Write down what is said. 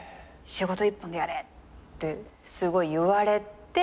仕事一本でやれってすごい言われて。